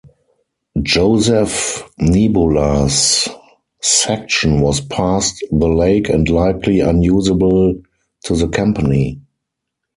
Joseph Nebula's section was past the lake and likely unusable to the company.